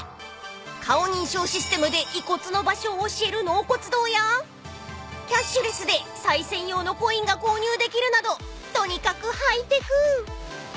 ［顔認証システムで遺骨の場所を教える納骨堂やキャッシュレスでさい銭用のコインが購入できるなどとにかくハイテク］